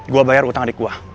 gue bayar utang adik gue